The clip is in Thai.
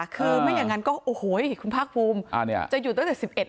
คือไม่อย่างนั้นก็โอ้โหคุณพราคภูมิจะหยุดตั้งแต่๑๑เลยเหรอ